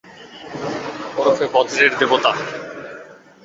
ওরফে বজ্রের দেবতা।